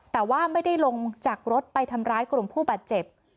แต่ว่าไม่ได้ลงจากรถไปทำร้ายกลุ่มผู้บาดเจ็บ